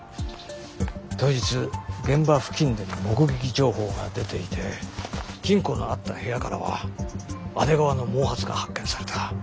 当日現場付近での目撃情報が出ていて金庫のあった部屋からは阿出川の毛髪が発見された。